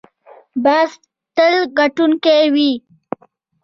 باز تل ګټونکی وي